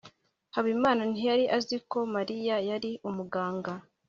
habimana ntiyari azi ko mariya yari umuganga